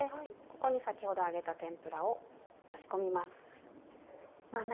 ここに先ほど揚げた天ぷらを差し込みます。